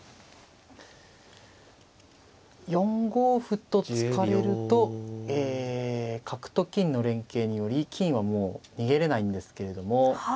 ４五歩と突かれると角と金の連携により金はもう逃げれないんですけれども。